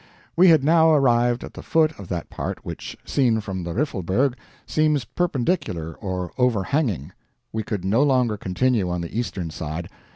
We had now arrived at the foot of that part which, seen from the Riffelberg, seems perpendicular or overhanging. We could no longer continue on the eastern side.